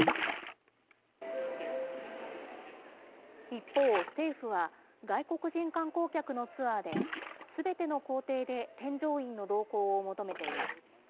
一方、政府は、外国人観光客のツアーで、すべての行程で添乗員の同行を求めています。